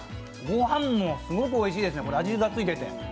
ご飯もすごくおいしいですね、味がついてて。